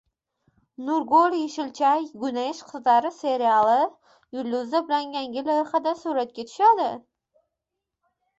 Nurgul Yeshilchay Gunesh qizlari seriali yulduzi bilan yangi loyihada suratga tushadi